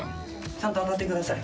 ちゃんと当たってください。